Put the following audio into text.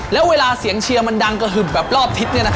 แล้วเวลาเสียงเชียร์มันดังกระหึบแบบรอบทิศ